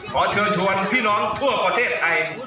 ขอเชิญชวนพี่น้องทั่วประเทศไทย